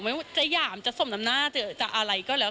ไม่ว่าจะหยามจะสมน้ำหน้าจะอะไรก็แล้ว